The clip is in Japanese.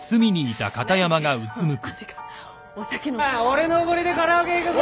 俺のおごりでカラオケ行くぞ。